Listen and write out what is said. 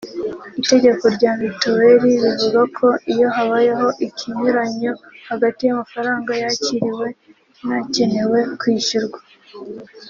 Itegeko rya mituweli rivuga ko iyo habayeho ikinyuranyo hagati y’amafaranga yakiriwe n’akenewe kwishyurwa